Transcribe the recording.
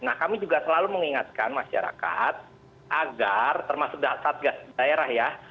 nah kami juga selalu mengingatkan masyarakat agar termasuk satgas daerah ya